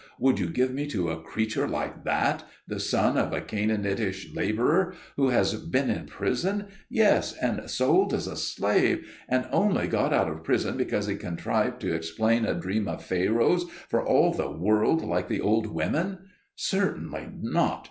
Would you give me to a creature like that, the son of a Canaanitish labourer, who has been in prison yes, and sold as a slave and only got out of prison because he contrived to explain a dream of Pharaoh's, for all the world like the old women? Certainly not!